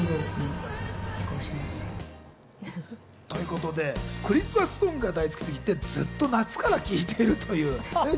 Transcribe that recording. ということで、クリスマスソングが大好きすぎて、ずっと夏から聴いてるという。